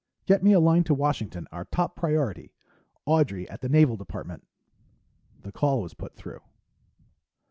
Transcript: "Get me a line to Washington, our top priority, Audrey at the Naval Department." The call was put through.